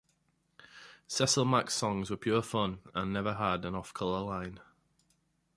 Cecil Mack's songs were pure fun and never had an off-color line.